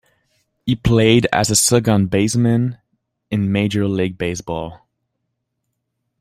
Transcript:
He played as a second baseman in Major League Baseball.